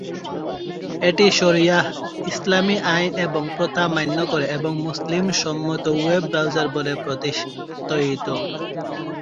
এটি শরিয়াহ, ইসলামী আইন এবং প্রথা মান্য করে এবং মুসলিম সম্মত ওয়েব ব্রাউজার বলে প্রত্যয়িত।